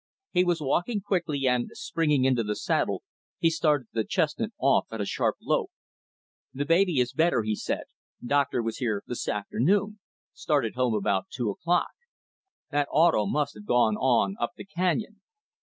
He was walking quickly, and, springing into the saddle he started the chestnut off at a sharp lope. "The baby is better," he said. "Doctor was here this afternoon started home about two o'clock. That 'auto' must have gone on up the canyon.